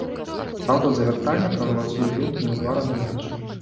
Праўда, за вяртанне прагаласуе ледзь не ў два разы менш.